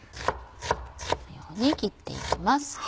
このように切っていきます。